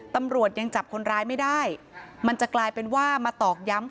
ตำรวจยังจับคนร้ายไม่ได้มันจะกลายเป็นว่ามาตอกย้ำ